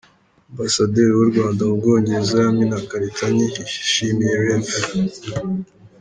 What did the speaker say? Ambasaderi w’u Rwanda mu Bwongereza Yamina Karitanyi, yashimiye Rev.